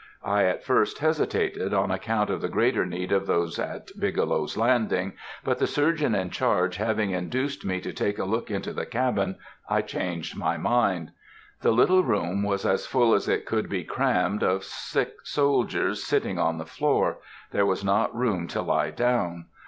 I at first hesitated, on account of the greater need of those at Bigelow's Landing, but the surgeon in charge having induced me to take a look into the cabin, I changed my mind. The little room was as full as it could be crammed of sick soldiers, sitting on the floor; there was not room to lie down.